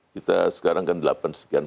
kita sekarang kan delapan sekian